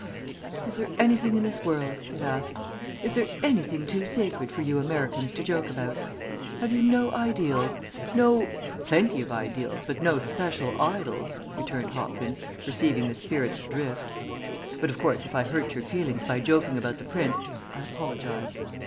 "Is there anything in this world," it asked, "is there anything too sacred for you Americans to joke about? Have you no ideals, no " "Plenty of ideals but no special idols," returned Hopkins, perceiving the spirit's drift. "But of course, if I hurt your feelings by joking about the Prince, I apologize.